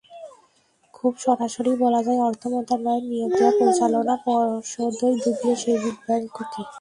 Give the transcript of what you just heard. খুব সরাসরিই বলা যায়, অর্থ মন্ত্রণালয়ের নিয়োগ দেওয়া পরিচালনা পর্ষদই ডুবিয়েছে বেসিক ব্যাংককে।